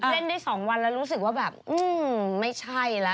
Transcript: เล่นได้๒วันแล้วรู้สึกว่าแบบไม่ใช่แล้ว